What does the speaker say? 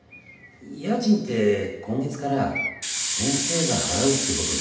家賃って今月から先生が払うってことでいいんだよね？